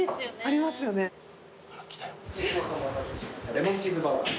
レモンチーズバーガー。